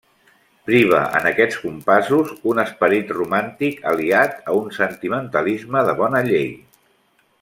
Priva en aquests compassos un esperit romàntic aliat a un sentimentalisme de bona llei.